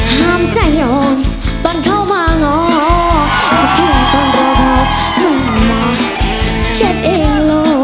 ห้ามใจด้วยความสนใจ